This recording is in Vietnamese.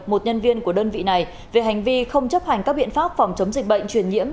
một nhân viên của đơn vị này về hành vi không chấp hành các biện pháp phòng chống dịch bệnh truyền nhiễm